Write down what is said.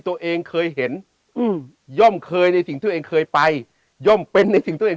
ตัวเองเคยเห็นอืมย่อมเคยในสิ่งที่ตัวเองเคยไปย่อมเป็นในสิ่งตัวเอง